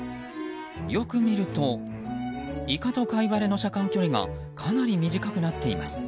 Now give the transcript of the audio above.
よく見るとイカとカイワレの車間距離がかなり短くなっています。